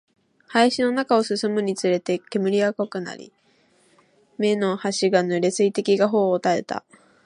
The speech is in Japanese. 林の中を進むにつれて、煙は濃くなり、目の端が濡れ、水滴が頬を流れた